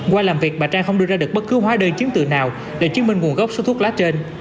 qua làm việc bà trang không đưa ra được bất cứ hóa đơn chứng từ nào để chứng minh nguồn gốc số thuốc lá trên